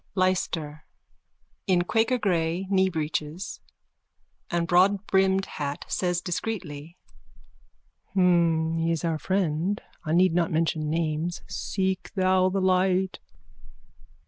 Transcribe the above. LYSTER: (In quakergrey kneebreeches and broadbrimmed hat, says discreetly.) He is our friend. I need not mention names. Seek thou the light.